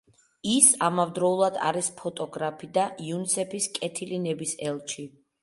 ის ამავდროულად არის ფოტოგრაფი, და იუნისეფის კეთილი ნების ელჩი.